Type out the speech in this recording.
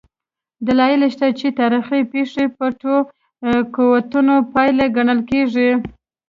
دلایل شته چې تاریخي پېښې پټو قوتونو پایلې ګڼل کېږي.